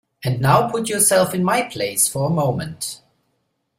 And now put yourself in my place for a moment.